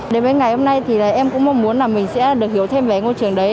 đến với ngày hôm nay thì em cũng mong muốn là mình sẽ được hiểu thêm về ngôi trường đấy